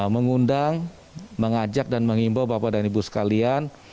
mengundang mengajak dan mengimbau bapak dan ibu sekalian